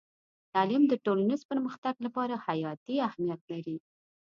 تعلیم د ټولنیز پرمختګ لپاره حیاتي اهمیت لري.